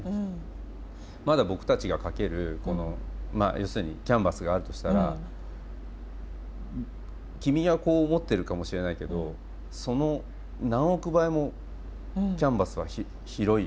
まだ僕たちが描けるこの要するにキャンバスがあるとしたら君はこう思ってるかもしれないけどその何億倍もキャンバスは広いよ。